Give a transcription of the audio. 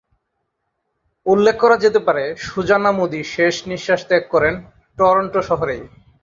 উল্লেখ করা যেতে পারে, সুজানা মোদি শেষ নিশ্বাস ত্যাগ করেন টরন্টো শহরেই।